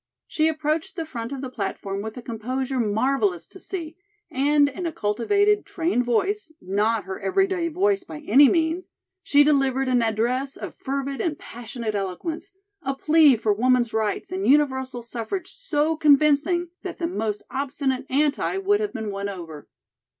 She approached the front of the platform with a composure marvelous to see, and in a cultivated, trained voice not her everyday voice, by any means she delivered an address of fervid and passionate eloquence; a plea for woman's rights and universal suffrage so convincing that the most obstinate "anti" would have been won over.